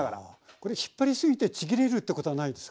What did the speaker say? これ引っ張りすぎてちぎれるってことはないですか？